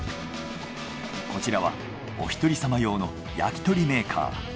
こちらはおひとりさま用の焼き鳥メーカー。